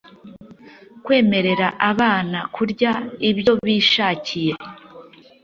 kwemerera abana kurya ibyo bishakiye